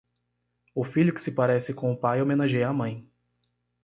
O filho que se parece com o pai homenageia a mãe.